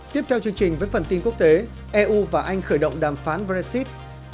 tiếp theo chương trình với phần tin quốc tế eu và anh khởi động đàm phán brexit